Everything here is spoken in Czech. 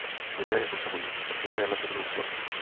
Lidé je potřebují; potřebuje je naše budoucnost.